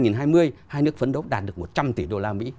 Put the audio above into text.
năm hai nghìn hai mươi hai nước phấn đấu đạt được một trăm linh tỷ đô la mỹ